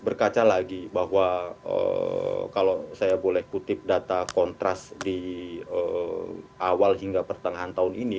berkaca lagi bahwa kalau saya boleh kutip data kontras di awal hingga pertengahan tahun ini